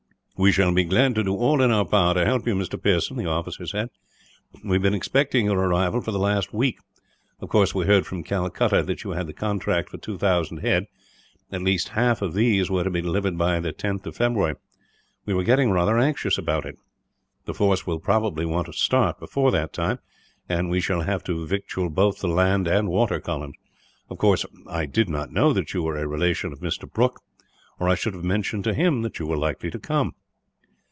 "We shall be glad to do all in our power to help you, Mr. Pearson," the officer said. "We have been expecting your arrival for the last week. Of course, we heard from Calcutta that you had the contract for two thousand head; at least half of these were to be delivered by the tenth of February. We were getting rather anxious about it. The force will probably want to start, before that time; and we shall have to victual both the land and water columns. Of course, I did not know that you were a relation of Mr. Brooke, or I should have mentioned to him that you were likely to come."